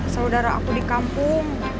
saudara aku di kampung